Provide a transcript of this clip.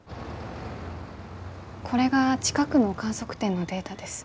これが近くの観測点のデータです。